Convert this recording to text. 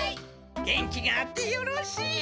元気があってよろしい。